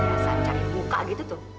dia asal cari buka gitu tuh